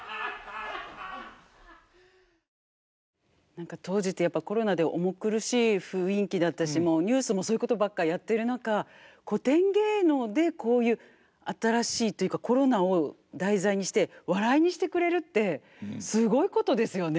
何か当時ってやっぱコロナで重苦しい雰囲気だったしニュースもそういうことばっかりやってる中古典芸能でこういう新しいというかコロナを題材にして笑いにしてくれるってすごいことですよね。